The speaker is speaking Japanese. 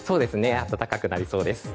暖かくなりそうですね。